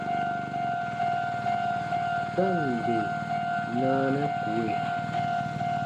Sa ǹ bè naanɛ kue.